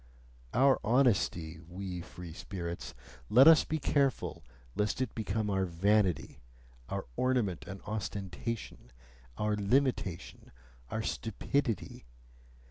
Our honesty, we free spirits let us be careful lest it become our vanity, our ornament and ostentation, our limitation, our stupidity!